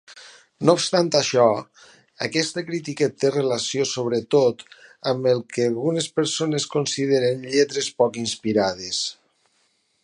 No obstant això, aquesta crítica té relació sobretot amb el que algunes persones consideren "lletres poc inspirades".